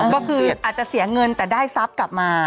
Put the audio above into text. ก็คืออาจจะเสียเงินแต่ได้ทรัพย์กลับมา